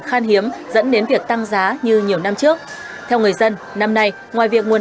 khan hiếm dẫn đến việc tăng giá như nhiều năm trước theo người dân năm nay ngoài việc nguồn